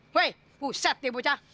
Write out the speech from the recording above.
hei buset ya bocah